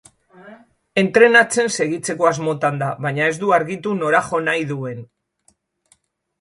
Entrenatzen segitzeko asmotan da, baina ez du argitu nora jo nahi duen.